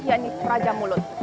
yakni praja maulid